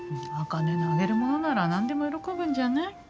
茜のあげるものなら何でも喜ぶんじゃない？